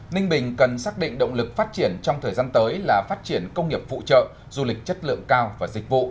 ninh bình cần xác định động lực phát triển trong thời gian tới là phát triển công nghiệp phụ trợ du lịch chất lượng cao và dịch vụ